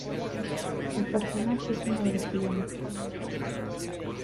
El personaje es uno de los gigantes.